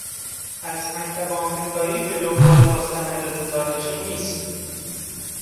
پس مکتب آمریکایی به دنبال مستندات تاریخی نیست